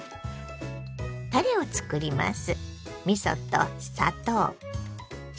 たれをつくります。